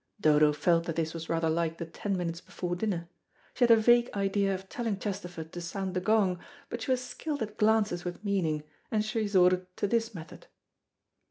Dodo felt that this was rather like the ten minutes before dinner. She had a vague idea of telling Chesterford to sound the gong, but she was skilled at glances with meaning, and she resorted to this method.